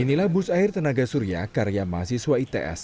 inilah bus air tenaga surya karya mahasiswa its